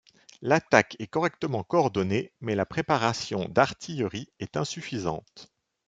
L'attaque est correctement coordonnée mais la préparation d'artillerie est insuffisante.